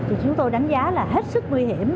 thì chúng tôi đánh giá là hết sức nguy hiểm